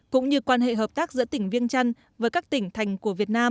cũng như quan hệ hợp tác giữa tỉnh viêng trăn với các tỉnh thành của việt nam